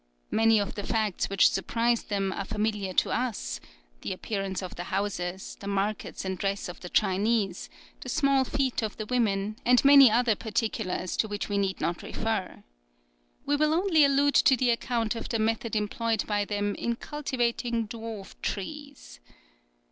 Many of the facts which surprised them are familiar to us, the appearance of the houses, the markets and dress of the Chinese, the small feet of the women, and many other particulars to which we need not refer. We will only allude to the account of the method employed by them in cultivating dwarf trees.